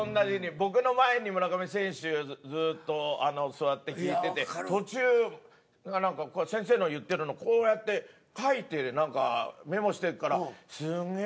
僕の前に村上選手ずっと座って聞いてて途中何か先生の言ってるのこうやって書いて何かメモしてるからすっげぇ